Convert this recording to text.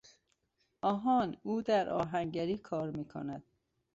آهان! او در آهنگری کار میکند.